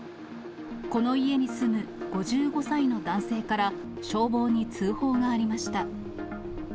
この家に住む５５歳の男性から消防に通報がありました。